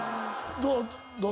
どう？